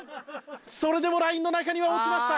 それでもラインの中には落ちました。